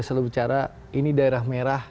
selalu bicara ini daerah merah